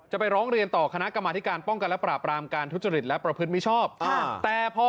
โหตะโกนมาตะไกรเลย